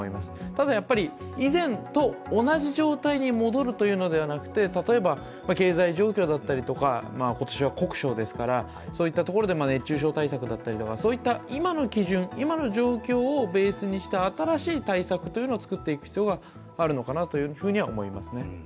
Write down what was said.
ただ、以前と同じ状態に戻るというのではなくて、例えば経済状況だったり、今年は酷暑ですから、そういったところで熱中症対策だったりとか今の基準、今の状況をベースにした新しい対策を作っていく必要があるのかなとは思いますね。